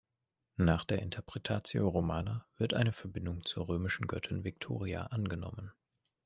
Nach der Interpretatio Romana wird eine Verbindung zur römischen Göttin Victoria angenommen.